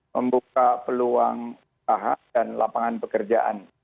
membuka peluang usaha dan lapangan pekerjaan